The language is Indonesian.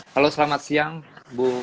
waalaikumsalam warahmatullahi wabarakatuh